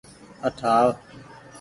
اٺ آو